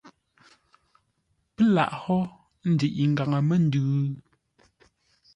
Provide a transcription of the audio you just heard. Pə́ laghʼ hó ə́ ndəiʼi ngaŋə-məndʉ?